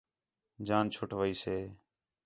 جان چُھٹ ویسے